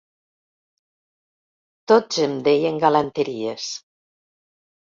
Tots em deien galanteries.